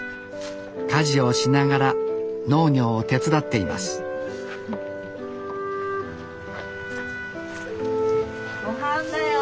家事をしながら農業を手伝っていますごはんだよ。